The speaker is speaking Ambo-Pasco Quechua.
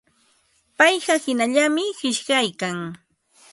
Payqa hinallami qishyaykan.